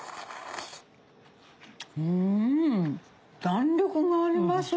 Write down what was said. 弾力があります。